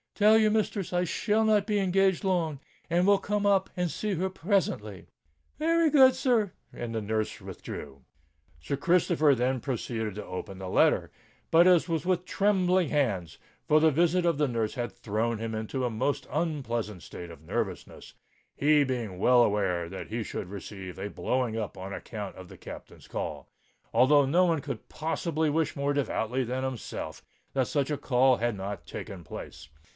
"Tell your mistress I shall not be engaged long, and will come up and see her presently." "Wery good, sir;"—and the nurse withdrew. Sir Christopher then proceeded to open the letter; but it was with trembling hands,—for the visit of the nurse had thrown him into a most unpleasant state of nervousness—he being well aware that he should receive a blowing up on account of the Captain's call,—although no one could possibly wish more devoutly than himself that such a call had not taken place.